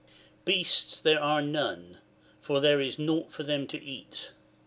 ^ Beasts there are none ; for there is nought for them to eat.